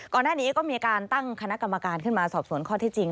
ก่อนหน้านี้ก็มีการตั้งคณะกรรมการขึ้นมาสอบสวนข้อที่จริง